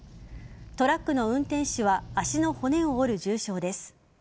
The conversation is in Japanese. トラックの運転手は足の骨を折る重傷です。